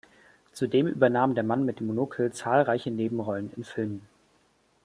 Zudem übernahm der Mann mit dem Monokel zahlreiche Nebenrollen in Filmen.